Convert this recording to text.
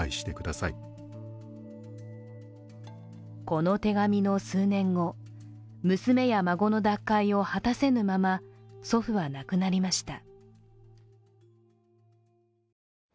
この手紙の数年後、娘や孫の脱会を果たせぬまま祖父は亡くなりました。